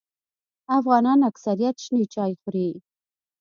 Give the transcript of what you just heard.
افغانان اکثریت شنې چای خوري